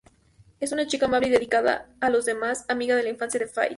Es una chica amable y dedicada a los demás, amiga de infancia de Fayt.